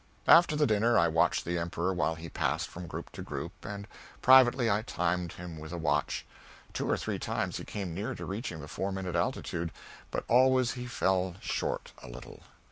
After the dinner I watched the Emperor while he passed from group to group, and privately I timed him with a watch. Two or three times he came near to reaching the four minute altitude, but always he fell short a little.